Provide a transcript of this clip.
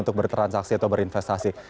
untuk bertransaksi atau berinvestasi